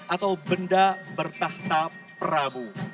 atau benda bertahta prabu